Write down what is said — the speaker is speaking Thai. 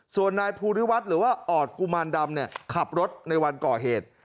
ส่วนนายภูริวัฒน์หรือว่าออดกุมารดำขับรถในวันก่อเหตุ